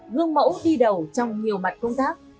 gương mẫu đi đầu trong nhiều mặt công tác